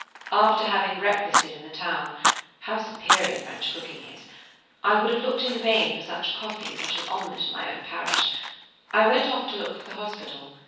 After having breakfasted in the town,–how superior French cooking is! I would have looked in vain for such coffee, such an omelet, in my own parish,–I went off to look for the hospital.